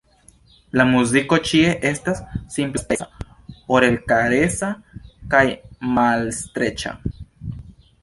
La muziko ĉie estas simplaspeca, orelkaresa kaj malstreĉa.